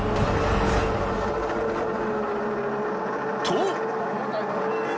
［と！］